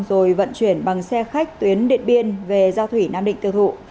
rồi vận chuyển bằng xe khách tuyến điện biên về giao thủy nam định tiêu thụ